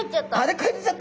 帰っちゃった。